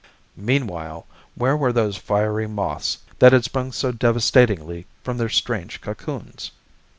Meanwhile, where were those fiery moths that had sprung so devastatingly from their strange cocoons?